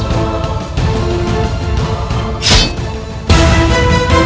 lalu tanpa maksa pengertian